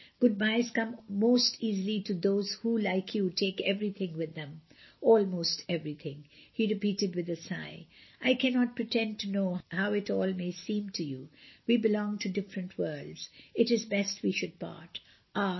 Good byes come most easily to those who, like you, take everything with them — almost everything," he re peated, with a sigh. "I cannot pretend to know how it all may seem to you; we belong to different worlds. It is best we should part Ah!